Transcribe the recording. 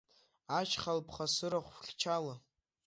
Ашьха-лԥха сырахә хьчала!